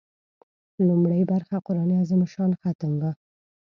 لومړۍ برخه قران عظیم الشان ختم و.